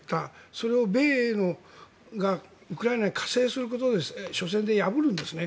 それを米英がウクライナに加勢することで緒戦で破るんですね。